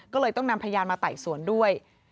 ก็เลยต้องนำพยานมาไต่สวนด้วย